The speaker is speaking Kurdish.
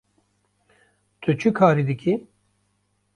Tu çi karî dikî?